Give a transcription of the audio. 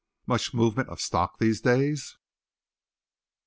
"Much movement of stock these days?"